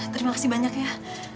terima kasih banyak ya